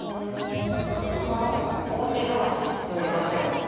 この大手土橋という場所がですね